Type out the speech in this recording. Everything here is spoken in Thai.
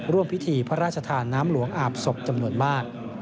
ร่วมพิธีพระราชทานน้ำหลวงอาบศพจำนวนมาก